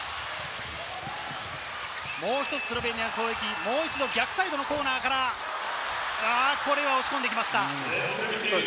もう１つ、スロベニアの攻撃、逆サイドのコーナーから押し込んできました。